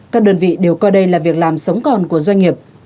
các đơn vị đều coi đây là việc làm sống còn của doanh nghiệp